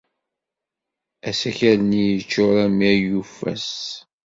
Asakal-nni yeččuṛ armi ay yufas.